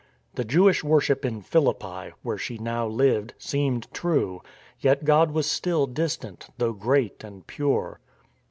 The Jewish worship in Philippi, where she now lived, seemed true; yet God was still distant, though great and pure.